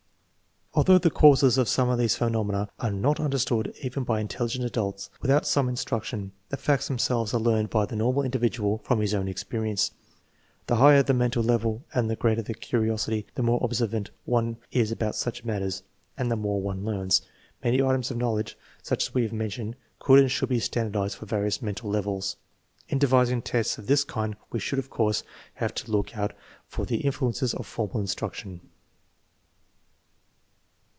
Although the causes of some of these phenomena are not understood even by intelligent adults without some in struction, the facts themselves are learned by the normal individual from his own experience, The higher the mental level and the greater the curiosity, the more observant one is about such matters and the more one learns. Many items of knowledge such as we have mentioned could and should be standardized for various mental levels. In de vising tests of this kind we should, of course, have to look out for the influences of formal instruction.